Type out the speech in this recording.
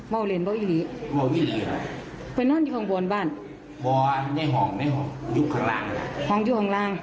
ฟังอยู่ข้างล่างฟังอยู่ข้างล่าง